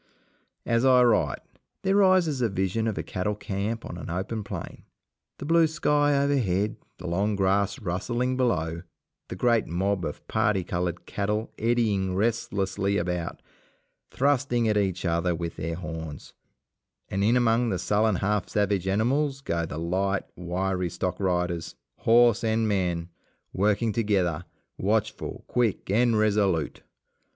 As I write, there rises a vision of a cattle camp on an open plain, the blue sky overhead, the long grass rustling below, the great mob of parti coloured cattle eddying restlessly about, thrusting at each other with their horns; and in among the sullen half savage animals go the light, wiry stock riders, horse and man working together, watchful, quick, and resolute.